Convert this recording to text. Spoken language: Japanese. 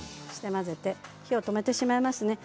火を止めてしまいますね。